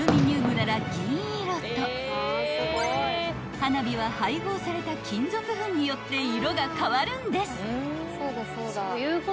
［花火は配合された金属粉によって色が変わるんです］